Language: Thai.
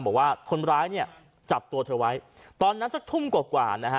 บอกว่าคนร้ายเนี่ยจับตัวเธอไว้ตอนนั้นสักทุ่มกว่ากว่านะฮะ